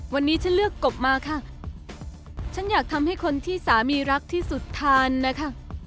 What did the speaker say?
วันนี้ฉันเลือกกบมาค่ะฉันอยากทำให้คนที่สามีรักที่สุดทานนะคะ